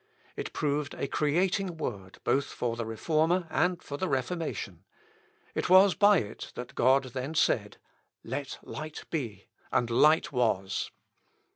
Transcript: It proved a creating word both for the Reformer and for the Reformation. It was by it that God then said, "Let light be, and light was."